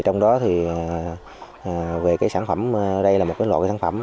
trong đó thì về cái sản phẩm đây là một loại sản phẩm